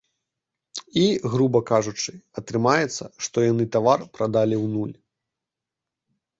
І, груба кажучы, атрымаецца, што яны тавар прадалі ў нуль.